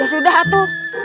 ya sudah atuh